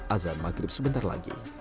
azan maghrib sebentar lagi